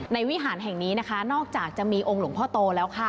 วิหารแห่งนี้นะคะนอกจากจะมีองค์หลวงพ่อโตแล้วค่ะ